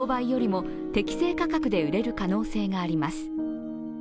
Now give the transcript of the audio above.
競売よりも適正価格で売れる可能性があります。